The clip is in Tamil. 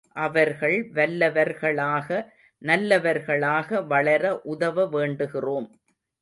அவர்கள் வல்லவர்களாக, நல்லவர்களாக வளர உதவ வேண்டுகிறோம்.